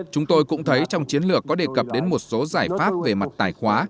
chúng tôi cũng thấy trong chiến lược có đề cập đến một số giải pháp về mặt tài khoá